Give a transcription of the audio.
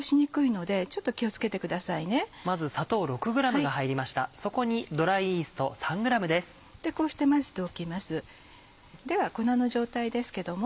では粉の状態ですけども。